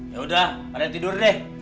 yaudah mandi tidur deh